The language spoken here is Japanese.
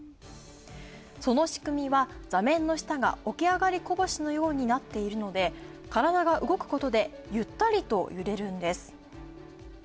その仕組みは座面の下がおきあがりこぼしのようになっていて体が動くことでゆったりと揺れるんです。